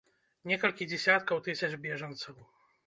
Некалькі дзесяткаў тысяч бежанцаў.